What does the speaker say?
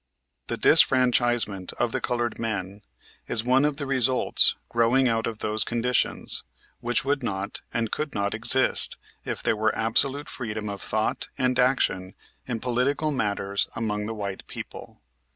The disfranchisement of the colored men is one of the results growing out of those conditions, which would not and could not exist if there were absolute freedom of thought and action in political matters among the white people.